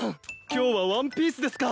今日はワンピースですか。